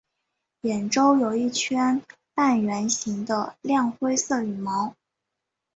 眼周有一圈半月形的亮灰色羽毛。